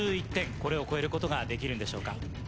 これを超えることができるんでしょうか？